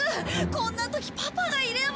こんな時パパがいれば。